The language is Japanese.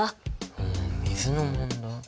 うん水の問題？